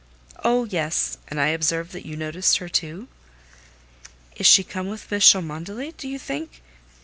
"Oh, yes! and I observed that you noticed her too." "Is she come with Mrs. Cholmondeley, do you think?"